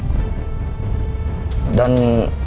dan juga bos terima kasih